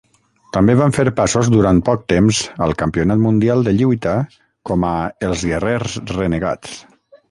També van fer passos durant poc temps al Campionat Mundial de Lluita com a "Els Guerrers Renegats".